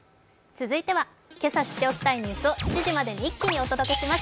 続いてはけさ知っておきたいニュースを７時までに一気にお届けします